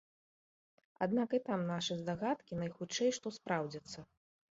Аднак і там нашы здагадкі, найхутчэй што, спраўдзяцца.